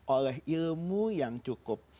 oleh ilmu yang cukup